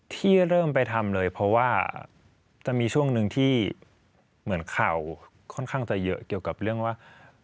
ที่เริ่มไปทำเลยเพราะว่าจะมีช่วงหนึ่งที่เหมือนข่าวค่อนข้างจะเยอะเกี่ยวกับเรื่องว่า